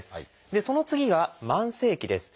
でその次が「慢性期」です。